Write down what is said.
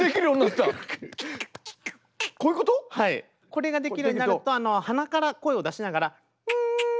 これができるようになると鼻から声を出しながら。